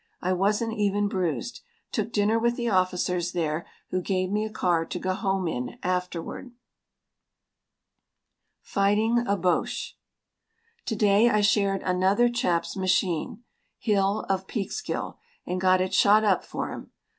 I wasn't even bruised. Took dinner with the officers there who gave me a car to go home in afterward. FIGHTING A BOCHE To day I shared another chap's machine (Hill of Peekskill), and got it shot up for him.